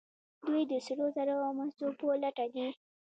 دوی د سرو زرو او مسو په لټه دي.